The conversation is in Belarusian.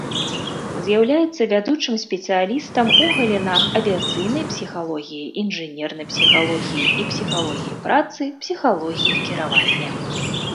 З'яўляецца вядучым спецыялістам у галінах авіяцыйнай псіхалогіі, інжынернай псіхалогіі і псіхалогіі працы, псіхалогіі кіравання.